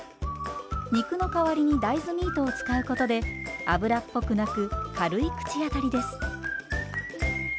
肉の代わりに大豆ミートを使うことで油っぽくなく軽い口当たりです。